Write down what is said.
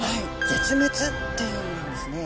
「絶滅」っていう意味なんですね。